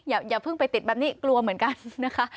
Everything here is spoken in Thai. อย่าเพิ่งไปติดแบบนี้กลัวเหมือนกันนะคะ